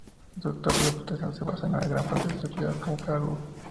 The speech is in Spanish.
Su actual reputación se basa en gran parte en sus actividades como pedagogo.